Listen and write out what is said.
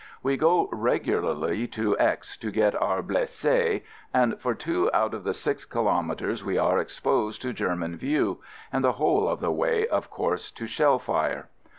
We go regularly to X to get our "blesses," and for two out of the six kilometres we are exposed 16 AMERICAN AMBULANCE to German view and the whole of the way, of course, to shell fire.